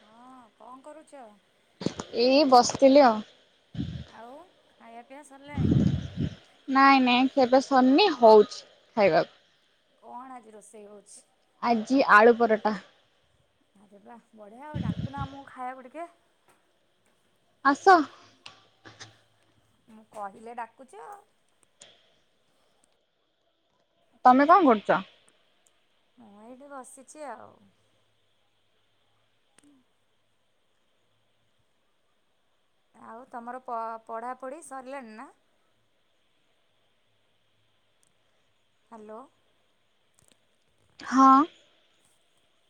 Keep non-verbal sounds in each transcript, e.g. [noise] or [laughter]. ହଁ କଣ କରୁଛ? ଏଇ ବସିଥିଲି ଆଉ। ଆଉ ଖାଇବା ପିଇବା ସରିଲାଣି। ନାଇଁ ନାଇଁ ଖିଆ ପିଆ ସରିନି ହଉଛି ଖାଇବାକୁ। କଣ ଆଜି ରୋଷେଇ ହଉଛି? ଆଜି ଆଳୁ ପରଟା। ଆରେ ବା ବଢ଼ିଆ ଆଉ ଡାକୁନା ଆମକୁ ଖାଇବାକୁ ଟିକେ। ଆସ। ମୁଁ କହିଲେ ଡାକୁଚ ଆଉ। ତମେ କଣ କରୁଚ? ମୁଁ ଏଇଠି ବସିଛି ଆଉ। ଆଉ ତମର ପଢ଼ାପଢ଼ି ସରିଲାଣି ନା। ହ୍ୟାଲୋ। ହଁ।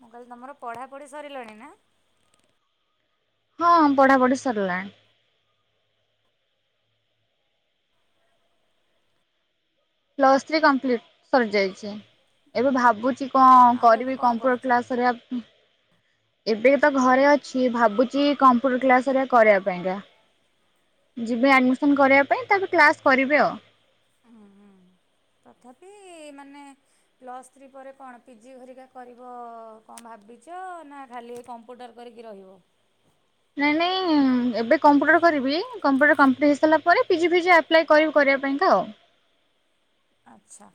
ମୁଁ କହିଲି ତମର ପଢ଼ାପଢ଼ି ସରିଲାଣି ନା। ହଁ ପଢ଼ାପଢ଼ି ସରିଲାଣି। ପ୍ଲସ୍ ଥ୍ରୀ କମ୍ପ୍ଲିଟ ସରିଯାଇଛି ଏବେ ଭାବୁଛି କଣ ଆଉ ଏବେ କରିବି କଣ କମ୍ପ୍ୟୁଟର କରୁଛ? କ୍ଲାସ ଘରିକା। ଏବେ ତ ଘରେ ଅଛି ଭାବୁଛି କମ୍ପ୍ୟୁଟର କ୍ଲାସ ଘଟିକା କରିବା ପାଇଁକା। ଯିବେ ଆଡ଼ମିସନ୍ କରିବା ପାଇଁ ତାପରେ କ୍ଲାସ୍ କରିବେ ଆଉ। ହୁଁ ହୁଁ ତଥାପି ମାନେ ପ୍ଲସ ଥ୍ରି ପରେ କଣ ପିଜି ଘରିକା କରିବ କଣ ଭାବିଚ ନା ଖାଲି ଏଇ କ କମ୍ପ୍ୟୁଟର କରିକି ରହିବ। ନାଇଁ ନାଇଁ ଏବେ କମ୍ପ୍ୟୁଟର କରିବି କମ୍ପ୍ୟୁଟର କମ୍ପ୍ଲିଟ୍ ହେଇସାରିଲା ପରେ ପିଜି ଫିଜି ଆପ ଆପ୍ଲାଏ କରିବି କରିବା ପାଇଁକା ଆଉ। ଆଚ୍ଛା।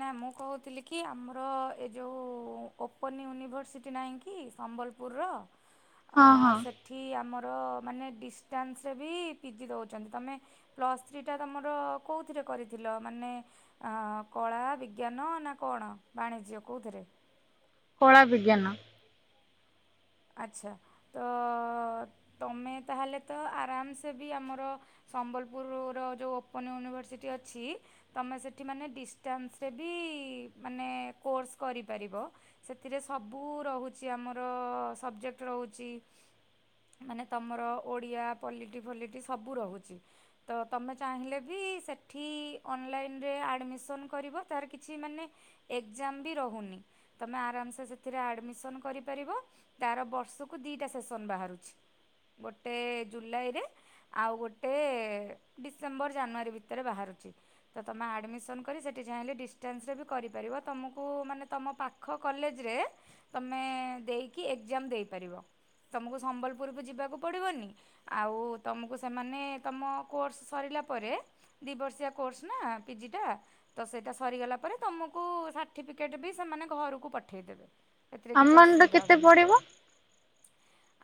ନା ମୁଁ କହୁଥିଲି କି ଆମର ଏ ଯୋଉ ଓପନ ୟୁନିଭର୍ସିଟି ନାହିଁ କି ସମ୍ବଲ ପୁରର, ହଁ ଅଁ ହଁ ସେ ଠି ଆମର ମାନେ ଡିଷ୍ଟାନ୍ସରେ ବି ପିଜି ଦଉଛନ୍ତି, ତମେ ପ୍ଲସ୍ଥ୍ରୀଟା ତମର କୋଉଥିରେ କରିଥିଲ? ମାନେ ଆଁ କଳା, ବିଜ୍ଞାନ, ନା କଣ ବାଣିଜ୍ୟ କୋଉଥିରେ? କଳା ବିଜ୍ଞାନ। ଆଚ୍ଛା, ତ ତମେ ତାହେଲେ ତ ଆରାମ୍ସେ ବି ଆମର ସମ୍ବଲପୁରୁର ଯୋଉ ଓପନ ୟୁନିଭର୍ସିଟି ଅଛି ତମେ ସେଠି ମାନେ ଡିଷ୍ଟାନ୍ସରେ ବି ମାନେ କୋର୍ସ କରିପାରିବ। ସେଥିରେ ସବୁ ରହୁଛି ଆମର ସବ୍ଜେକ୍ଟ ରହୁଛି। ମାନେ ତମର ଓଡ଼ିଆ, ପଲିଟି ଫଲିଟି ସବୁ ରହୁଛି। ତ ତମେ ଚାହିଁଲେ ବି, ସେଠି ଅନଲାଇନରେ ଆଡ଼ମିସନ୍ କରିବ, ତାର କିଛି ମାନେ ଏଗ୍ଜାମ ବି ରହୁନି, ତମେ ଆରାମ୍ ସେ ସେଥିରେ ଆଡ଼ମିସନ୍ କରିପାରିବ। ତାର ବର୍ଷକୁ ଦିଇଟା ସେସନ୍ ବାହାରୁଛି, ଗୋଟେ ଜୁଲାଇରେ ଆଉ ଗୋଟେ ଡିସେମ୍ବର ଜାନୁଆରୀ ଭିତରେ ବାହାରୁଛି। ତ ତମେ ଆଡ଼ମିସନ୍ କରି ସେଠି ଚାହିଁଲେ ଡିଷ୍ଟାନ୍ସରେ ବି କରିପାରିବ, ତମକୁ ମାନେ ତମ ପା ଖ କଲେଜରେ ତମେ ଦେଇକି ଏଗ୍ଜାମ ଦେଇପାରିବ। ତୁମକୁ ସମ୍ବଲପୁରକୁ ଯିବାକୁ ପଡ଼ିବନି। ଆଉ ତମକୁ ସେମାନେ ତମ କୋର୍ସ ସରିଲା ପରେ ଦି ବର୍ଷିଆ କୋର୍ସ ନା ପିଜିଟା। ତ ସେଇଟା ସରିଗଲା ପରେ ତମକୁ ସାର୍ଟିଫିକେଟ ବି ସେମାନେ ଘରକୁ ପଠେଇଦେବେ। ଏଥିରେ କିଛି ଆମାଉଣ୍ଟ ଅସୁବିଧା କେତେ ହବନି। ପଡିବ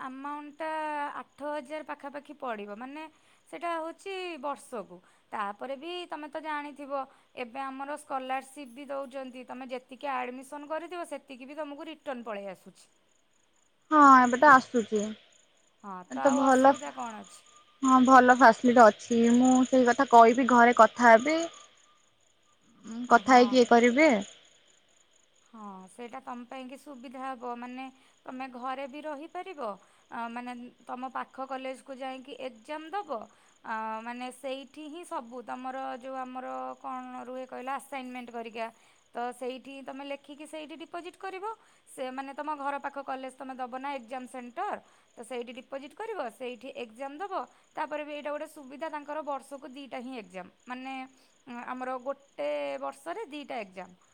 ଆମାଉଣ୍ଟଟା ଆଠ ହଜାର ପାଖାପାଖି ପଡିବ ମାନେ ସେଟା ହଉଛି ବର୍ଷକୁ, ତାପରେ ବି ତମେ ତ ଜାଣିଥିବ ଏବେ ଆମର ସ୍କଲାରସିପ୍ ବି ଦଉଚନ୍ତି, ତମେ ଯେତିକି ଆଡ଼ମିସନ୍ କରିଥିବ, ସେତିକିବି ତମକୁ ରି ଟନ୍ ପଳେଇ ଆସୁଛି। ହଁ ଏବେ ତ ଆସୁଛି, ହଁ ଏ ତ ଆଉ ଭଲ ଅସୁବିଧା କ'ଣ ଅଛି ହଁ, ଭଲ ଫ୍ୟାସ୍ଲିଟ୍ ଅଛି, ମୁଁ ସେଇ କଥା କହିବି ଘରେ କଥା ହେବି। ମୁଁ କଥା ହଁ ହେଇକି ଇଏ କରିବେ। ହଁ, ସେଇଟା ତମ ପାଇଁକି ସୁବିଧା ହବ ମାନେ ତମେ ଘରେ ବି ରହିପାରିବ ଆ ମାନେ ତମ ପାଖ କଲେଜକୁୁ ଯାଇକି ଏକ୍ଜାମ୍ ଦବ। ଆ ମାନେ ସେଇଠି ହିଁ ସବୁ ତମର ଯୋଉ ଆମର କଣ ରୁହେ କହିଲା ଆସାଇନ୍ ମେଣ୍ଟ ପରିକା। ତ ସେଇଠି ତମେ ଲେଖିକି ସେଇଠି ଡିପୋଜିଟ୍ କରିବ। ସେ ମାନେ, ତମ ଘର ପାଖ କଲେଜ୍ ତମେ ଦବନା ଏକ୍ଜାମ୍ ସେଣ୍ଟର। ତ ସେଇଠି ଡିପୋଜିଟ୍ କରିବ, ସେଇଠି ଏକ୍ଜାମ ଦବ। ତାପରେ ବି ଏଇଟା ଗୋଟେ ସୁବିଧା ତାଙ୍କର ବର୍ଷକୁ ଦିଇଟା ହିଁ ଏକ୍ଜାମ, ମାନେ ଉଁ ଆମର ଗୋଟେ ବର୍ଷରେ ଦିଇଟା ଏକ୍ଜାମ,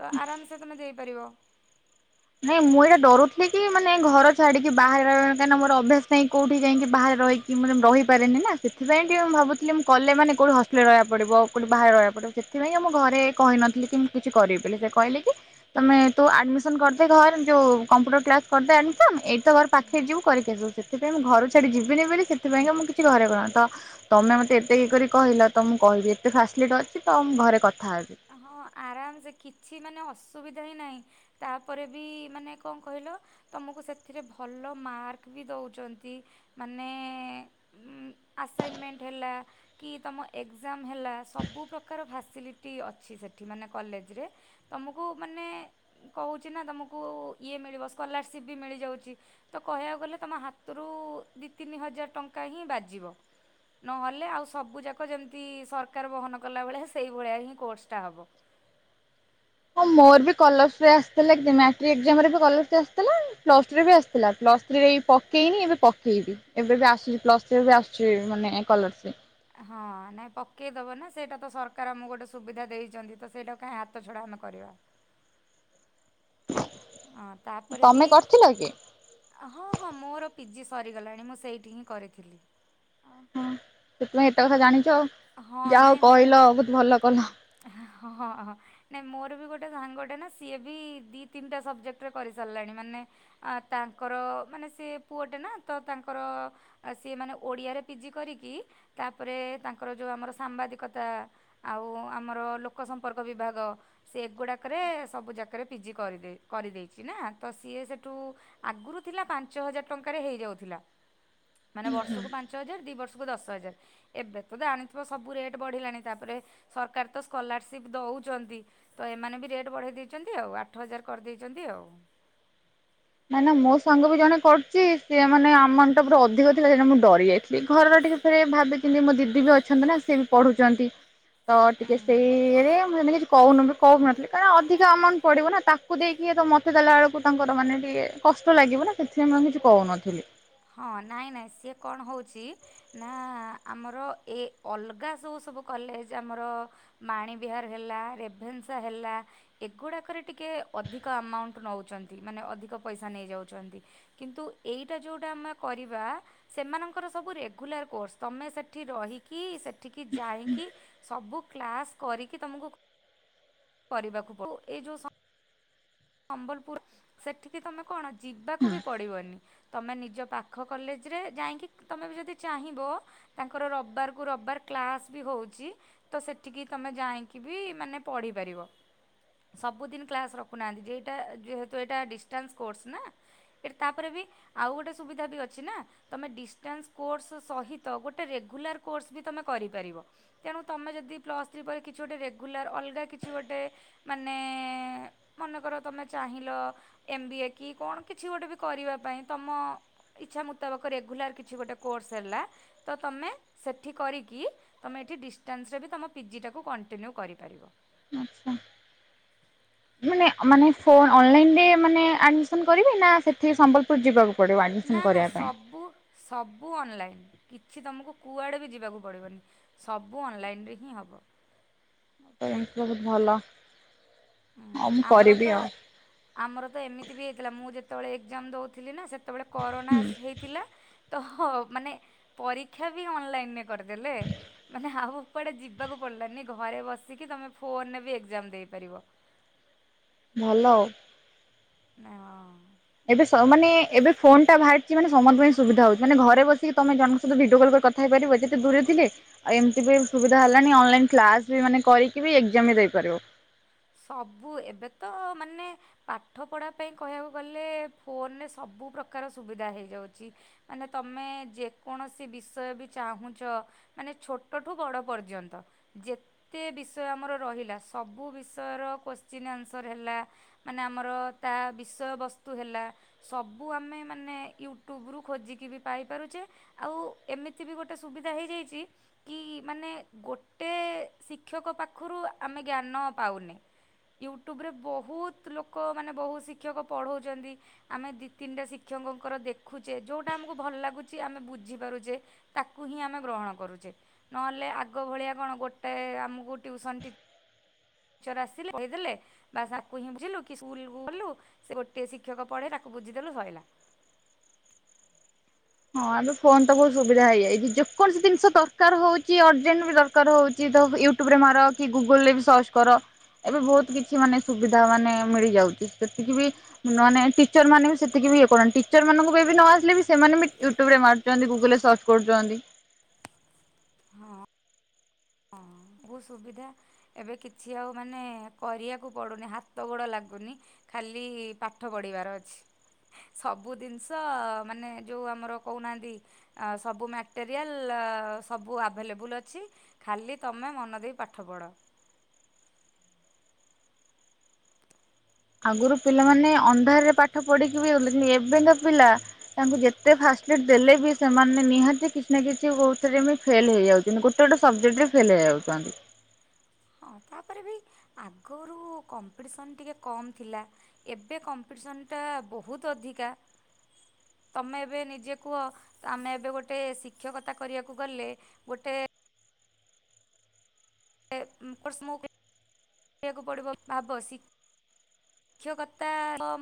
ତ ଆରାମ୍ସେ ତମେ ଦେଇପାରିବ। ନାଇଁ ମୁଁ ଏଇଟା ଡରୁଥିଲି କି ମାନେ ଘର ଛାଡ଼ିକି ବାହାରେ ରହିବା କାହିଁନା ମୋର ଅଭ୍ୟାସ ନାଇଁ କୋଉଠି ଯାଇଁକି ବାହାରେ ରହି କି, ମାନେ ମୁଁ ରହିପାରେନି ନା ସେଥିପାଇଁ ଟିକେ ମୁଁ ଭାବୁଥିଲି ମୁଁ କଲେ ମାନେ କୋଉଠି ହଷ୍ଟେଲ ରହିବା ପଡ଼ିବ, କୋଉଠି ବାହାରେ ରହିବା ପଡ଼ିବ ସେଥିପାଇଁକା ମୁଁ ଘରେ କହିନଥିଲି କି ମୁଁ କିଛି କରିବି ବୋଲି, ସେ କହିଲେ କି ତମେ ତୁ ଆଡମିସନ୍ କର୍ ସେ ଘର ଯୋଉ କମ୍ପ୍ୟୁଟର କ୍ଲାସ୍ କରିଦେ ଆଡ଼ମିସନ୍। ଏଇଟି ତ ଘର ପାଖରେ ଯିବୁ କରିକି ଆସିବୁ ସେ ସେଥିପାଇଁ ମୁଁ ଘରୁ ଛାଡ଼ି ଯିବିନି ବୋଲି ସେଥିପାଇଁକା ମୁଁ କିଛି ଘରେ କଣ ତ ତମେ ମତେ ଏତେ ଇଏ କରିକି କହିଲ ତ ମୁଁ କହିବି ଏତେ ଫାସ୍ଲିଟି ଅଛି ତ ମୁଁ ଘରେ କଥା ହେବି। ହଁ, ଆରାମ୍ ସେ କିଛି ମାନେ ଅସୁବିଧା ହିଁ ନାହିଁ। ତାପରେ ବି ମାନେ କଣ କହିଲ? ତମକୁ ସେଥିରେ ଭଲ ମାର୍କ ବି ଦଉଚନ୍ତି, ମାନେ ଉଁ ଆସାଇନମେଣ୍ଟ ହେଲା, କି ତମ ଏକ୍ଜାମ୍ ହେଲା ସବୁ ପ୍ରକାର ଫାସିଲିଟି ଅ ଛି ସେଠି ମାନେ କଲେଜରେ। ତୁମକୁ ମାନେ କହୁଛି ନା ତୁମକୁ, ଇଏ ମିଳିବ। ସ୍କଲାରସିପ୍ ବି ମିଳିଯାଉଛି। ତ କହିବାକୁ ଗଲେ ତମ ହାତରୁ ଦି ତିନି ହଜାର ଟଙ୍କା ହିଁ ବାଜିବ। ନ ହେଲେ, ଆଉ ସବୁ ଯାକ ଯେମିତି ସରକାର ବହନ କଲା ଭଳିଆ, ସେଇ ଭଳିଆ ହିଁ କୋର୍ସଟା ହବ। ହଁ, ମୋର ବି ସ୍କଲାରସିପ୍ ଆସିଥିଲା କି ମାଟ୍ରିକ ଏକ୍ଜାମରେ ବି ସ୍କଲାରସିପ ଆସିଥିଲା। ପ୍ଲସ୍ ଟୁ ରେ ବି ଆସ୍ ଥିଲା। ପ୍ଲସ୍ ଥ୍ରୀରେ ଏଇ ପକେଇନି, ଏବେ ପକେଇବି। ଏବେ ବି ଆସୁଛି ପ୍ଲସ୍ ଥ୍ରୀରେ ବି ଆସୁଛି ମାନେ ସ୍କଲରସିପ୍। ହଁ, ନାଇଁ ପକେଇଦେବ ନା। ସେଇଟା ତ ସରକାର ଆମକୁ ଗୋଟେ ସୁବିଧା ଦେଇଛନ୍ତି, ତ ସେଇଟା କାହିଁ ହାତ ଛଡ଼ା ଆମେ କରିବା। ହଁ ତାପରେ ବି ତମେ କରିଥିଲ କି ହଁ ହଁ, ମୋର ପିଜି ସରିଗଲାଣି। ମୁଁ ସେଇଠି ହିଁ କରିଥିଲି। ସେଥିପାଇଁ ଏତେ କଥା ଜାଣିଛ। ହଁ ଯାହା ହେଉ ନାଇଁ ମୁଁ କହିଲ ବହୁତ ଭଲ କଲ। ହଁ ହଁ। ନଁ ମୋର ବି ଗୋଟେ ସାଙ୍ଗ, ଗୋଟେ ନା ସିଏ ବି ଦି ତିନିଟା ସବ୍ଜେକ୍ଟରେ କରିସାରିଲାଣି। ମାନେ ଆ ତାଙ୍କର ମାନେ ସେ ପୁଅଟେ ନା, ତ ତାଙ୍କର ଆଉ ସିଏ ମାନେ ଓଡ଼ିଆରେ ପିଜି କରିକି, ତା ପରେ ତାଙ୍କର ଯେଉଁ ଆମର ସାମ୍ବାଦିକତା ଆଉ ଆମର ଲୋକ ସମ୍ପର୍କ ବିଭାଗ। ସିଏ ଏଗୁଡ଼ାକରେ ସବୁଯାକରେ ପିଜି କରି କରିଦେଇଛି ନା। ତ ସିଏ ସେଠୁ ଆଗରୁ ଥିଲା ପାଞ୍ଚ ହଜାର ଟଙ୍କାରେ ହେଇଯାଉଥିଲା। ମାନେ ବର୍ଷକୁ ପାଞ୍ଚ ହଜାର। ଦୁଇ ବର୍ଷକୁ ଦଶ ହଜାର। ଏବେ ତ ଜାଣିଥିବ ସବୁ ରେଟ୍ ବଢ଼ିଲାଣି। ତା ପରେ ସରକାର ତ ସ୍କଲାରସିପ୍ ଦଉଚନ୍ତି। ତ ଏମାନେ ବି ରେଟ୍ ବଢ଼େଇ ଦେଇଚନ୍ତି ଆଉ। ଆଠ ହଜାର କରିଦେଇଚନ୍ତି ଆଉ। କାଇଁ ନା ମୋ ସାଙ୍ଗ ବି ଜଣେ କରୁଚି। ସିଏ ମାନେ ଆମାଉଣ୍ଟଟା ପୁରା ଅଧିକ ଥିଲା। ସେଇନାଗି ମୁଁ ଡରି ଯାଇଥିଲି। ଘରର ଟିକେ ସେ ଭାବିଚିନ୍ତି, ମୋ ଦିଦି ବି ଅଛନ୍ତି ନା, ସିଏ ବି ପଢୁଛନ୍ତି। ତ ଟିକେ ଉଁ ସେଇ ଇଏରେ ମୁଁ ସେମିତି କିଛି କହୁନି, କହୁନଥିଲି, କାଇଁ ନା ଅଧିକ ଆମାଉଣ୍ଟ ପଡିବ ନା। ତା ତାକୁ ଦେଇକି ତ ମତେ ଦେଲା ବେଳକୁ ତାଙ୍କର ମାନେ ଟିକେ ଇଏ କଷ୍ଟ ଲାଗିବ ନା। ସେଥିପାଇଁ ମୁଁ କିଛି କହୁନଥିଲି। ହଁ, ନାଇଁ ନାଇଁ, ସିଏ କଣ ହଉଛି? ନା ଆମର ଏ ଅଲଗା ସବୁ ସବୁ କଲେଜ ଆମର ବାଣୀବିିହାର ହେଲା, ରେଭେନ୍ସା ହେଲା ଏଗୁଡ଼ାକରେ ଟିକେ ଅଧିକ ଆମାଉଣ୍ଟ ନେଉଚନ୍ତି, ମାନେ ଅଧିକ ପଇସା ନେଇଯାଉଚନ୍ତି। କିନ୍ତୁ ଏଇଟା ଯୋଉ ଟା ଆମେ କରିବା, ସେମାନଙ୍କର ସବୁ ରେଗୁଲାର କୋର୍ସ। ତମେ ସେଠି ରହିିକି ସେଠିକି ଯାଇକି ସବୁ କ୍ଲାସ୍ କରିକି ତୁମକୁ କରିବାକୁ ପଡୁ। ସମ୍ବଲପୁର, ସେଠିକି ତମେ କଣ ଯିବାକୁ ବି ପଡିବନି? ତୁମେ ନିଜ ପାଖ କଲେଜରେ ଯାଇକି, ତୁମେ ବି ଯଦି ଚାହିଁବ ତାଙ୍କର ରବିବାରକୁ ରବିବାର କ୍ଳାସ୍ ବି ହଉଛି। ତ ସେଠିକି ତମେ ଯାଇକି ବି ମାନେ ପଢିପାରିବ। ସବୁଦିନ କ୍ଲାସ୍ ରଖୁନାହାନ୍ତି। ଏଇଟା ଯେହେତୁ ଏଇଟା ଡିଷ୍ଟାନ୍ସ୍ କୋର୍ସ ନା। ଏଇଟା ତା ପରେ ବି ଆଉ ଗୋଟେ ସୁବିଧା ବି ଅଛି ନା। ତମେ ଡିଷ୍ଟାନ୍ସ୍ କୋର୍ସ ସହିତ ଗୋଟେ ରେଗୁଲାର କୋର୍ସ ବି ତମେ କରିପାରିବ। ତେଣୁ ତୁମେ ଯଦି ପ୍ଲସ୍ ଥ୍ରୀ ପରେ କିଛି ଗୋଟେ ରେଗୁଲାର ଅଲଗା କିଛି ଗୋଟେ ମାନେ ମନେ କର ତୁମେ ଚାହିଁଲ ଏମ୍ ବି ଏ କି କଣ କିଛି ଗୋଟେ ବି କରିବା ପାଇଁ? ତମ ଇଚ୍ଛା ମୁତାବକ ରେଗୁଲାର କିଛି ଗୋଟେ କୋର୍ସ ହେଲା ତ ତମେ ସେଠି କରିକି ତମେ ଏଠି ଡିଷ୍ଟାନ୍ସରେ ବି ତମ ପିଜି ଟାକୁ କଣ୍ଟିନ୍ୟୁ କରିପାରିବ। ଆଚ୍ଛା। ମାନେ ମାନେ ଫୋନ୍ ଅନଲାଇନ୍ ରେ ମାନେ ଆଡମିସନ୍ କରିବେ ନା ସେ ଠି ସମ୍ବଲପୁର ଯିବାକୁ ପଡ଼ିବ ନା ଆଡ଼ମିସନ୍ ନା କରିବା ପାଇଁ? ସବୁ ସବୁ ଅନଲାଇନ୍ କିଛି ତମକୁ କୁଆଡ଼େ ବି ଯିବାକୁ ପଡ଼ିବନି। ସବୁ ଅନଲାଇନ୍ ରେ ହିଁ ହବ। [unintelligible] ଭଲ। ହୁଁ ଆଉ ମୁଁ ଆମର କରିବି ତ ଆଉ ଆମର ତ ଏମିତି ବି ହେଇଥିଲା ମୁଁ ଯେତବଳେ ଏକ୍ଜାମ ଦଉଥିଲି ନା ସେ ସେତବଳେ ହୁଁ କରୋନାସ୍ ହେଇ ଥିଲା ତଃ ମାନେ ପରୀକ୍ଷା ବି ଅନଲାଇନ୍ ରେ କରଦେଲେ। ମାନେ ଆଉ କୁଆଡ଼େ ଯିବାକୁ ପଡ଼ିଲାନି ଘରେ ବସିକି ତମେ ଫୋନରେ ବି ଏଗ୍ଜାମ ଦେଇପାରିବ। ଭଲ ଆଉ। ନାଇଁମ ଏବେ ସ ମାନେ ଏବେ ଫୋନ୍ ଟା ବାହାରଚି ମାନେ ସମସ୍ତଙ୍କ ପାଇଁ ସୁବିଧା ହଉଚି ମାନେ ଘରେ ବସିକି ତମେ ଜଣଙ୍କ ସହିତ ଭିଡିଓ କଲ୍ କରି କଥ ଥା ହେଇପାରିବ ଯେତେ ଦୂରରେ ଥିଲେ। ଆଉ ଏମତି ବି ସୁବିଧା ହେଲାନି ଅନଲାଇନ୍ କ୍ଲାସ ବି ମାନେ କରିକି ବି ଏଗ୍ଜାମ ବି ଦେଇପାରିବ। ସବୁ ଏବେ ତ ମାନେ ପାଠପଢ଼ା ପାଇଁ କହିବାକୁ ଗଲେ ଫୋନରେ ସବୁ ପ୍ରକାର ସୁବିଧା ହେଇଯାଉଚି। ମାନେ ତମେ ଯେକୌଣସି ବିଷୟ ବି ଚାହୁଁଚ ମାନେ ଛୋଟଠୁ ବଡ଼ ପର୍ଯ୍ୟନ୍ତ ଯେତେ ବିଷୟ ଆମର ରହିଲା ସବୁ ବିଷ ତର କୋଶ୍ଚିନ୍ ଆନ୍ସର ହେଲା ମାନେ ଆମର ତା ବିଷୟବସ୍ତୁ ହେଲା ସବୁ ଆମେ ମାନେ ୟୁଟ୍ୟୁବୁରୁ ଖୋଜିକିବି ପାଇପାରୁଚେ। ଆଉ ଏମିତି ବି ଗୋଟେ ସୁବିଧା ହେଇଯାଇଚି କି ମାନେ ଗୋଟେ ଶିକ୍ଷକ ପାଖୁରୁ ଆମେ ଜ୍ଞାନ ପାଉନେ। ୟୁଟ୍ୟୁବରେ ବହୁତ ଲୋକ ମାନେ ବହୁ ଶିକ୍ଷକ ପଢ଼ଉଚନ୍ତି। ଆମେ ଦି ତିନିଟା ଶିକ୍ଷକଙ୍କର ଦେଖୁଚେ ଯୋଉଟା ଆମକୁ ଭଲ ଲାଗୁଚି ଆମେ ବୁଝିପାରୁଚେ ତାକୁ ହିଁ ଆମେ ଗ୍ରହଣ କରୁଚେ ନହେଲେ ଆଗ ଭଳିଆ କଣ ଗୋଟେ ଆମକୁ ଟିଉସନ ଟି ଚର ଆସିଲେ ପଢ଼େଇ ଦେଲେ ବାସ୍ ତାକୁ ହିଁ ବୁଝିଲୁ କି ସ୍କୁଲ କୁ ଗଲୁ ସେ ଗୋଟେ ଶିକ୍ଷକ ପଢ଼େ ତାକୁ ବୁଝିଦେଲୁ ସଇଲା। ହଁ ଏବେ ଫୋନ ତ ବହୁତ ସୁବିଧା ହେଇଯାଇଚି ଯେକୌଣସି ଜିନଷ ଦରକାର ହଉଚି ଅର୍ଜେଣ୍ଟ ବି ଦର କାର ହଉଚି ତ ୟୁଟ୍ୟୁବରେ ମାର କି ଗୁଗୁଲୁ ରେ ବି ସର୍ଚ କର। ଏବେ ବହୁତ କିଛି ମାନେ ସୁବିଧା ମାନେ ମିଳିଯାଉଚି ସେତିକି ବି ନୂଆ ନେ ଟିଚର ମାନେ ବି ସେତିକି ବି ଇଏ କରୁନାହାନ୍ତି ଟିଚର ମାନଙ୍କୁ ବି ଏବେ ନ ଆସିଲେ ବି ସେମାନେ ବି ୟୁଟ୍ୟୁବରେ ମାରୁଚନ୍ତି ଗୁଗୁଲୁ ରେ ସର୍ଚ୍ଚ କରୁଚନ୍ତି। ହଁ। ହଁ ଭୁଲ ସୁବିଧା ଏବେ କିଛି ଆଉ ମାନେ କରିବାକୁ ପଡ଼ୁନି ହାତ ଗୋଡ଼ ଲାଗୁନି। ଖାଲି ପାଠ ପଢ଼ିବାର ଅଛି। ସବୁ ଜିନଷ ମାନେ ଯୋଉ ଆମର କହୁନାହାନ୍ତି ଆ ସବୁ ମ୍ୟାଟେରିଆଲ ଅ ଅ ସବୁ ଆଭେଲେବୁଲ ଅଛି। ଖାଲି ତମେ ମନ ଦେଇ ପାଠ ପଢ଼। ଆଗରୁ ପିଲାମାନେ ଅନ୍ଧାରରେ ପାଠ ପଢ଼ିକି ବି ଓରଲିନ ଏବେ କାଁ ପିଲା ତାଙ୍କୁ ଯେତେ ଫାଷ୍ଟଲିଟ ଦେଲେ ବି ସେମାନେ ନିହାତି କିଛି ନା କିଛି କୋଉ ଥିରେ ମି ଫେଲ ହେଇଯାଉ କିନ୍ତୁ ଗୋଟେ ଗୋଟେ ସବଜେକ୍ଟ ରେ ଫେଲ୍‌ ଯାଉଚନ୍ତି। ହଁ ତାପରେ ବି ଆଗରୁ କମ୍ପିଟିସନ୍ ଟିକେ କମ୍ ଥିଲା। ଏବେ କମ୍ପିଟିସନ୍ ଟା ବହୁତ ଅଧିକା। ତମେ ଏବେ ନିଜେ କୁହ। ତ ଆମେ ଏବେ ଗୋଟେ ଶିକ୍ଷକତା କରିବାକୁ ଗଲେ ଗୋଟେ [unintelligible] ଶିକ୍ଷକତା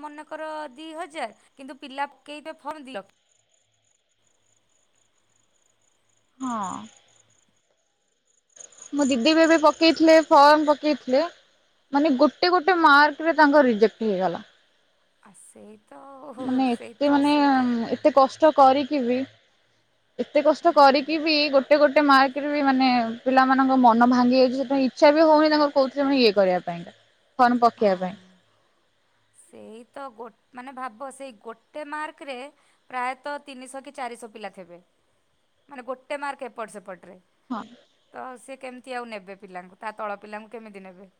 ମନେକର ଦି ହଜାର କିନ୍ତୁ ପିଲା ପକେଇବେ ଫର୍ମ ଦି ଲକ୍ଷ। ହଁ। ମୋ ଦିଦି ବି ଏବେ ପକେଇଥିଲେ ଫର୍ମ ପକେଇଥିଲେ। ମାନେ ଗୋଟେ ଗୋଟେ ମାର୍କରେ ତାଙ୍କର ରିଜେକ୍ଟ ହେଇଗଲା। ଆସେ। ମାନେ ଏତେ ମାନେ ଏତେ କଷ୍ଟ କରିକି ବି ଏତେ କଷ୍ଟ କରିକି ବି ଗୋଟେ ଗୋଟେ ମା ମାନେ ପିଲାମାନଙ୍କ ମନ ଭାଙ୍ଗି ଯାଇଛି ସେଥିପାଇଁ ଇଚ୍ଛା ବି ହଉନି ତାଙ୍କର କହୁଥିଲେ ଇଏ କରିବା ପାଇଁକା। ଫ୍ରମ ପକେଇବା ପାଇଁ। ସେଇତ ଗୋ ମାନେ ଭାବ ସେଇ ଗୋଟେ ମାର୍କରେ। ପ୍ରାୟତଃ ତିନିଶହ କି ଚାରିଶହ ପିଲା ଥିବେ ମାନେ ଗୋଟେ ମାର୍କ ଏପଟ ସେପଟରେ। ହଁ। ତ ସେ କେମିତି ଆଉ ନେବେ ପିଲାଙ୍କୁ ତା ତଳ ପିଲାଙ୍କୁ କେମିତି ନେବେ?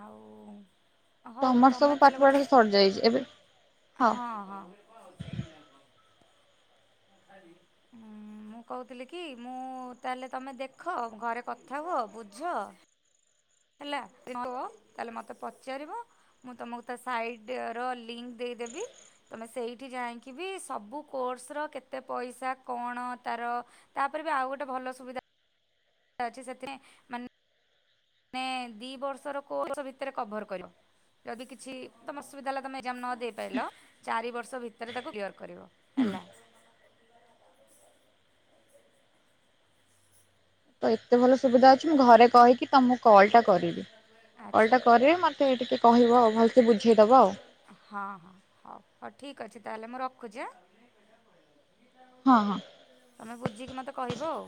ଆଉ ହଉ ତମର ତମେ ସବୁ ତାହେଲେ ଗୋଟେ ପାଠପଢା ସରିଯାଇଛି ଏବେ ହଁ ହଁ ମୁଁ କହୁଥିଲି କି ମୁଁ ତାହେଲେ ତମେ ଦେଖ ଘରେ କଥା ହୁଅ ବୁଝ ହେଲା ତାହାଲେ ମତେ ପଚାରିବ ମୁଁ ତମକୁ ତା ସାଇଡର ଲିଙ୍କ ଦେଇଦେବି। ତମେ ସେଇଠି ଯାଇକି ବି ସବୁ କୋର୍ସର କେତେ ପଇସା କଣ ତାର ତାପରେ ବି ଆଉ ଗୋଟେ ଭଲ ସୁବିଧା ଅଛି ସେଥିରେ ମା ମାନେ ଦି ବର୍ଷର କୋର୍ଷ ଭିତରେ କଭର କରିବ। ଯଦି କିଛି ତମସୁୁବିଧା ହେଲା ତମେ ଏଜାମ ନ ଦେଇ ପାରିଲ ଚାରିବର୍ଷ ଭିତରେ ତାକୁ କ୍ଲିୟର କରିବ ହୁଁ ହେଲା। ତ ଏତେ ଭଲ ସୁବିଧା ଅଛି ମୁଁ ଘରେ କହିକି ତମୁ କଲଟା କରିବି ଆଚ୍ଛା କଲଟା କରି ମୋତେ ଟିକେ କହିବ ଆଉ ଭଲସେ ବୁଝେଇଦବ ଆଉ। ହଁ ହଁ ହଉ ଠିକ୍ ଅଛି ତାହେଲେ ମୁଁ ରଖୁଛି ଆ। ହଁ ହଁ ତମେ ବୁଝିକି ମତେ କହିବ ଆଉ।